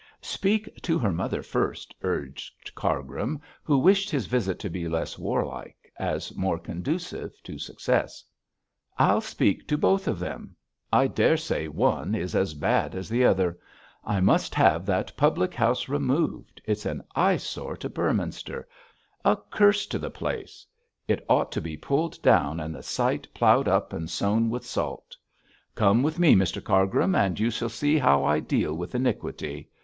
'Speak to her mother first,' urged Cargrim, who wished his visit to be less warlike, as more conducive to success. 'I'll speak to both of them. I daresay one is as bad as the other. I must have that public house removed; it's an eye sore to Beorminster a curse to the place. It ought to be pulled down and the site ploughed up and sown with salt. Come with me, Mr Cargrim, and you shall see how I deal with iniquity.